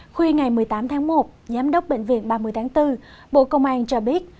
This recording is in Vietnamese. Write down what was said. khuya ngày một mươi tám tháng một giám đốc bệnh viện ba mươi tháng bốn bộ công an cho biết